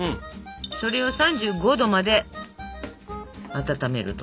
それを３５℃まで温めると。